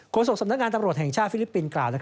โศกสำนักงานตำรวจแห่งชาติฟิลิปปินส์กล่าว